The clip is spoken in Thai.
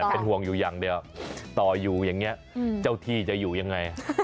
เป็นห่วงอยู่อย่างเดียวต่ออยู่อย่างนี้เจ้าที่จะอยู่ยังไง